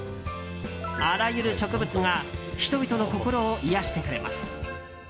あらゆる植物が人々の心を癒やしてくれます。